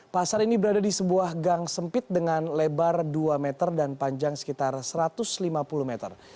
pasar ini berada di sebuah gang sempit dengan lebar dua meter dan panjang sekitar satu ratus lima puluh meter